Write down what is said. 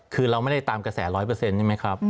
คือเราไม่ได้ตามกระแส๑๐๐ใช่ไหมครับ